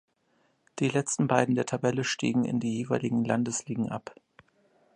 Die letzten beiden der Tabelle stiegen in die jeweiligen Landesligen ab.